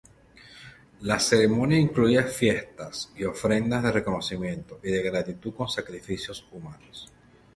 La ceremonia incluía fiestas y ofrendas de reconocimiento y de gratitud con sacrificios humanos.